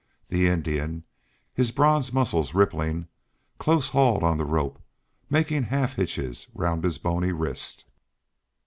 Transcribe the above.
The Indian, his bronze muscles rippling, close hauled on the rope, making half hitches round his bony wrist.